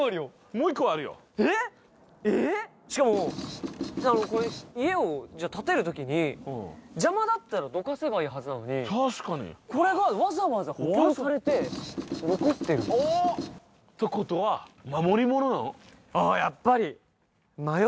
しかもこれ家を建てる時に邪魔だったらどかせばいいはずなのに確かにこれがわざわざ補強されて残ってるおーっってことはああ